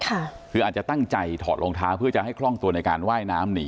คืออาจจะตั้งใจถอดรองเท้าเพื่อจะให้คล่องตัวในการว่ายน้ำหนี